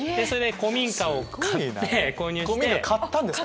古民家買ったんですか。